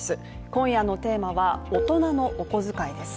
今夜のテーマは「大人のお小遣い」です。